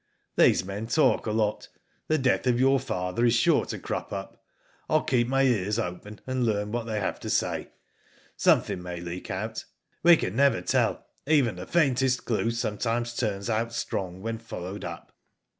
*' These men talk a lot. The death of your father is sure to crop up. I will keep my ears open and learn what they have to say. Something may leak out. We never can tell, even the faintest Digitized byGoogk MUNDA, 47 clue sometimes turns out strong when followed up."